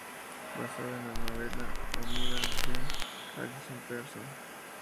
Basada en la novela homónima de Allison Pearson.